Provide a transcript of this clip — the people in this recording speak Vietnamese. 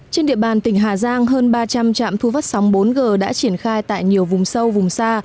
trên địa bàn tỉnh hà giang hơn ba trăm linh trạm thu phát sóng bốn g đã triển khai tại nhiều vùng sâu vùng xa